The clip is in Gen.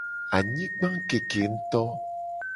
Anyigba keke nguto.